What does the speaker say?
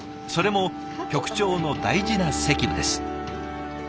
それも局長の大事な責務です。